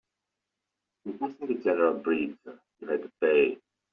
For passing the general bridge, you had to pay.